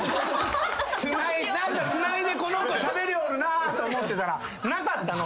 何かつないでこの子しゃべりおるなと思ってたらなかったの？